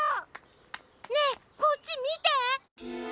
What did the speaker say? ねえこっちみて！